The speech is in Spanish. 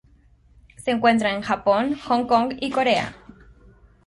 Se encuentra en Japón, Hong Kong, y Corea.